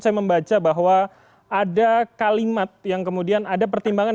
saya membaca bahwa ada kalimat yang kemudian ada pertimbangan